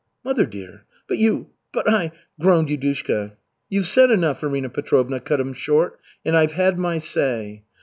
"Mother dear! But you but I " groaned Yudushka. "You've said enough," Arina Petrovna cut him short. "And I've had my say."